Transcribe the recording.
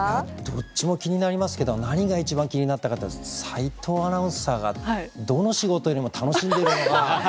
どっちも気になりますけど何が一番気になったかというと斎藤アナウンサーがどの仕事よりも楽しんでる。